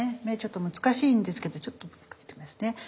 目ちょっと難しいんですけどちょっと描いてみますね。